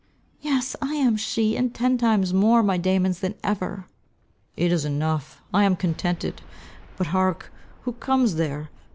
"Yes, I am she, and ten times more my Damon's than ever." "It is enough. I am contented. But hark! who comes there?